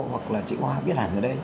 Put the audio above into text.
hoặc là chữ hoa viết hẳn ở đây